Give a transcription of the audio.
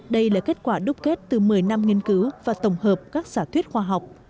đây là kết quả đúc kết từ một mươi năm nghiên cứu và tổng hợp các giả thuyết khoa học